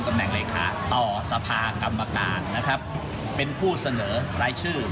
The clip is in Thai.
แหนเลขาต่อสภากรรมการนะครับเป็นผู้เสนอรายชื่อ